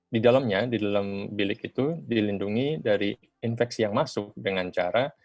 di dalamnya di dalam bilik itu dilindungi dari infeksi yang masuk dengan cara